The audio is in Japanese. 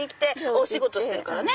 お仕事してるからね。